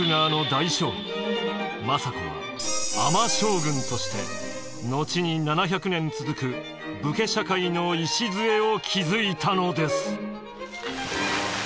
政子は尼将軍として後に７００年続く武家社会の礎を築いたのです。